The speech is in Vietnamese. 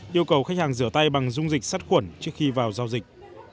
yêu cầu khách hàng rửa tay bằng dung dịch sát khuẩn trước khi vào giao dịch